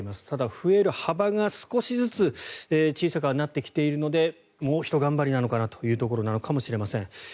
ただ、増える幅が少しずつ小さくはなってきているのでもうひと頑張りなのかなというところなのかもしれません。